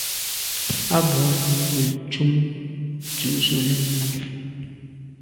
A bwô ndù o tum dù’ z’o lem nà.